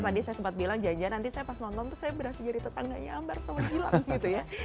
tadi saya sempat bilang janjian nanti saya pas nonton tuh saya beras jari tetangganya ambar sama gila gitu ya